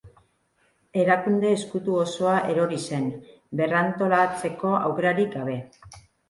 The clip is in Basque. Erakunde ezkutu osoa erori zen, berrantolatzeko aukerarik gabe.